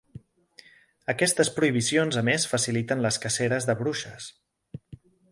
Aquestes prohibicions a més faciliten les caceres de bruixes.